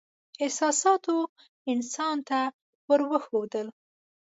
احساساتو انسان ته ور وښودل.